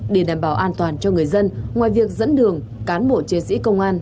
để đảm bảo an toàn cho người dân ngoài việc dẫn đường cán bộ chiến sĩ công an